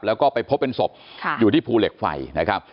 แล้วก็ไปพบเป็นศพอยู่ที่ภูเหล็กไฟนะครับ